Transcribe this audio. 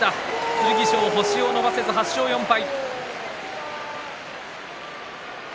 剣翔、星を伸ばせず８勝４敗。